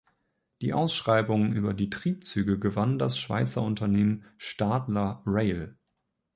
Die Ausschreibung über die Triebzüge gewann das Schweizer Unternehmen Stadler Rail.